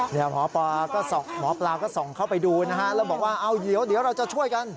นี่หมอปลาก็ส่งเข้าไปดูนะฮะแล้วบอกว่าเดี๋ยวเราจะช่วยกัน